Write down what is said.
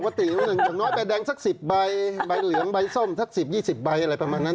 อย่างน้อยใบแดงสัก๑๐ใบใบเหลืองใบส้มสัก๑๐๒๐ใบอะไรประมาณนั้น